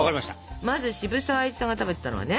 まず渋沢栄一さんが食べてたのはね